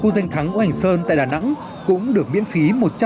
giáo hành sơn tại đà nẵng cũng được miễn phí